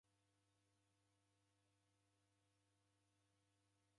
Ndoe yose enyama chuku.